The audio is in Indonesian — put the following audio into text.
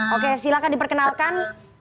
oke silahkan diperkenalkan